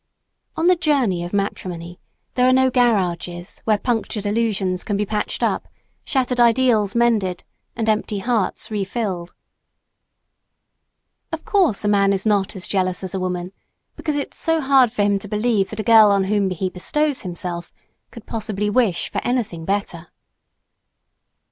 On the journey of matrimony, there are no garages where punctured illusions can be patched up, shattered ideals mended, and empty hearts refilled. Of course a man is not as jealous as a woman because it's so hard for him to believe that a girl on whom he bestows himself could possibly wish for anything better.